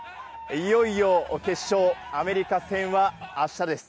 いよいよ決勝、アメリカ戦はあしたです。